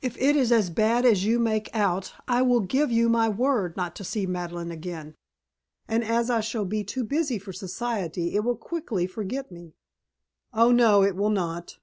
If it is as bad as you make out I will give you my word not to see Madeleine again. And as I shall be too busy for Society it will quickly forget me." "Oh, no, it will not.